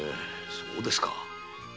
そうですか。